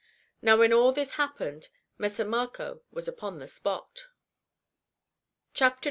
Now when all this happened Messer Marco was upon the spot] ^ Note i.